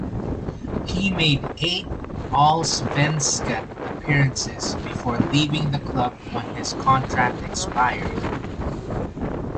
He made eight Allsvenskan appearances before leaving the club when his contract expired.